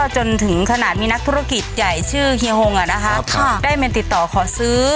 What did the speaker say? จนถึงขนาดมีนักธุรกิจใหญ่ชื่อเฮียฮงได้มาติดต่อขอซื้อ